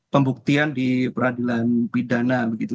pembuktian di peradilan pidana begitu